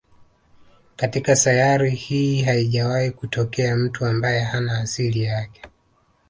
Katika sayari hii haijawahi kutokea mtu ambaye hana asili yake